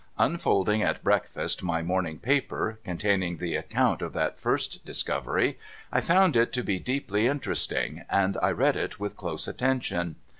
Unfolding at breakfast my morning paper, containing the account of that first discovery, I found it to be deeply interesting, and I read it with close attention.